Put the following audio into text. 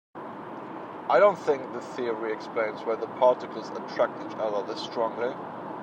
I don't think this theory explains why the particles attract each other this strongly.